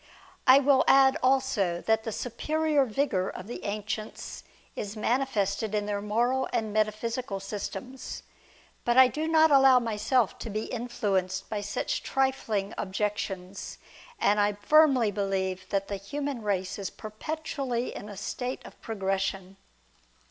I will add also that the superior vigour of the ancients is manifested in their moral and metaphysical systems. But I do not allow myself to be influenced by such trifling objections, and I firmly believe that the human race is perpetually in a state of progression.